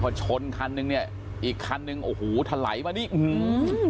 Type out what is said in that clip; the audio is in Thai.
พอชนคันหนึ่งเนี่ยอีกคันหนึ่งโอ้โหทะไหลบันแห็น